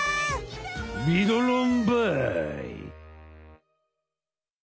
ミドロンバイ。